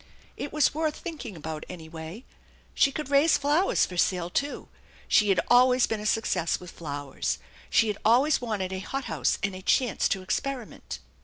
It was worth thinking about, anyway. She could raise flowers for sale, too. She had always been a success with flowers. She had always wanted a hothouse and a chance to experiment.